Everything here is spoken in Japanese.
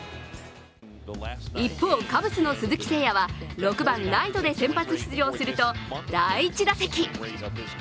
一方、カブスの鈴木誠也は６番・ライトで先発出場すると、第１打席。